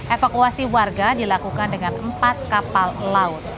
evakuasi warga dilakukan dengan empat kapal laut